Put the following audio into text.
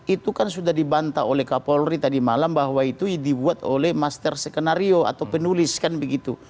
itu kan sudah dibantah oleh kapolri tadi malam bahwa itu dibuat oleh master skenario atau penulis kan begitu